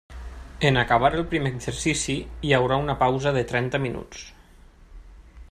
En acabar el primer exercici hi haurà una pausa de trenta minuts.